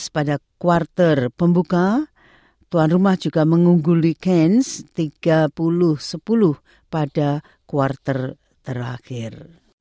pada kuarter pembuka tuan rumah juga mengungguli cairns tiga puluh sepuluh pada kuarter terakhir